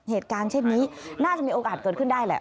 เหตุการณ์เช่นนี้น่าจะมีโอกาสเกิดขึ้นได้แหละ